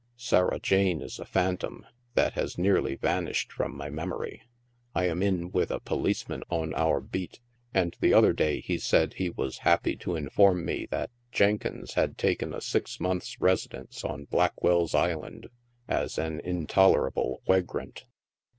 Sarah Jane is a phantom that has nearly vanished from my memory. I am in with a policeman on our beat, and the other day he said he was happy to inform me that Jenkins had taken a six months' residence on Blackwell's Island as an intolerable wag rant.